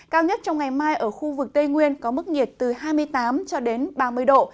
cao nhất trong ngày mai ở khu vực tây nguyên có mức nhiệt từ hai mươi tám cho đến ba mươi độ